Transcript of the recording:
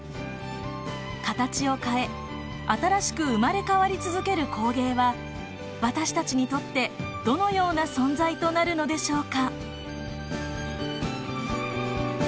形を変え新しく生まれ変わり続ける工芸は私たちにとってどのような存在となるのでしょうか。